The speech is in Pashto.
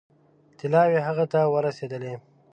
طلاوې هغه ته ورسېدلې.